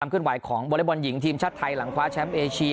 คุณข่ายของบริเวณหญิงทีมชาติไทยหลังควาช่องเชี่ย์